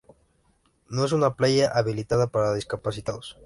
No es una playa habilitada para discapacitados.